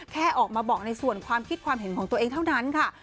แค่ออกมาบอกในส่วนความคิดความเห็นของตัวเองเท่านั้นค่ะ